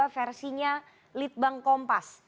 versinya litbang kompas